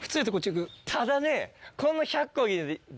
ただね。